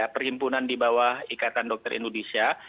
perhimpunan di bawah ikatan dokter indonesia